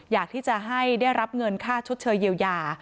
อยากที่จะให้ได้รับเงินค่าชดเชยเยียวยา